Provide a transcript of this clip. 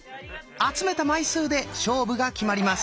集めた枚数で勝負が決まります。